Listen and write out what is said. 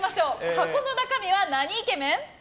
箱の中身はなにイケメン？